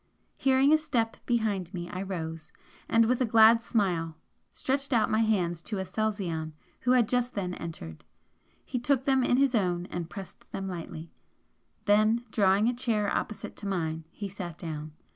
Hearing a step behind me, I rose and with a glad smile stretched out my hands to Aselzion, who had just then entered. He took them in his own and pressed them lightly then drawing a chair opposite to mine, he sat down.